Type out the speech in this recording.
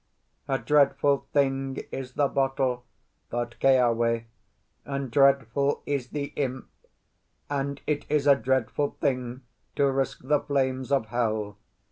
"A dreadful thing is the bottle," thought Keawe, "and dreadful is the imp, and it is a dreadful thing to risk the flames of hell.